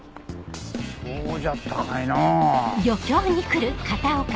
そうじゃったかいのう？